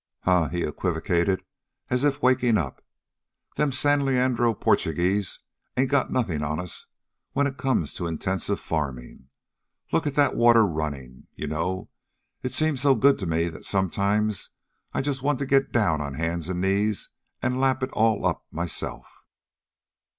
"Huh!" he equivocated, as if waking up. "Them San Leandro Porchugeeze ain't got nothin' on us when it comes to intensive farmin'. Look at that water runnin'. You know, it seems so good to me that sometimes I just wanta get down on hands an' knees an' lap it all up myself."